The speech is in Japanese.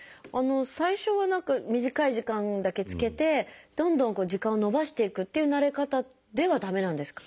最初は短い時間だけ着けてどんどん時間を延ばしていくっていう慣れ方では駄目なんですか？